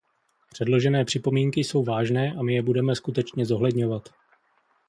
Předložené připomínky jsou vážné a my je budeme skutečně zohledňovat.